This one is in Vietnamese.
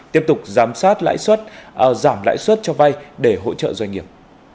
tiếp tục giám sát lãi suất giảm lãi suất cho vay để hỗ trợ doanh nghiệp